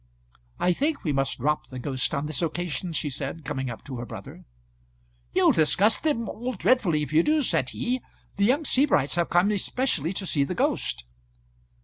"I think we must drop the ghost on this occasion," she said, coming up to her brother. "You'll disgust them all dreadfully if you do," said he. "The young Sebrights have come specially to see the ghost."